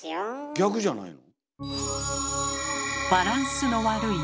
逆じゃないの？